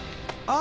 あ！